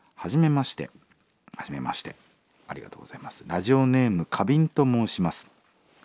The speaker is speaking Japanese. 「ラジオネーム花瓶と申します。